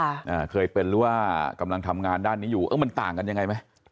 อ่าเคยเป็นหรือว่ากำลังทำงานด้านนี้อยู่เออมันต่างกันยังไงไหม